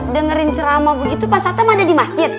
dengerin ceramah begitu pak satem ada di masjid